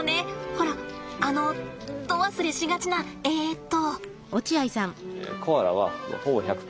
ほらあのド忘れしがちなえっと。